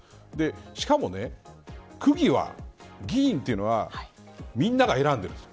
しかも、区議は議員というのはみんなが選んでるんです。